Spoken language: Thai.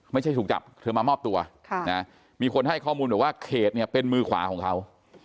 ไม่ใช่ถูกจับเธอมามอบตัวมีคนให้ข้อมูลบอกว่าเขตเนี่ยเป็นมือขวาของเขา